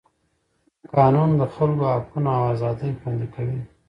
قانون د خلکو حقونه او ازادۍ خوندي کوي.